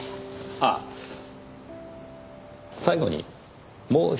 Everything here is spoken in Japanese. ああ最後にもうひとつだけ。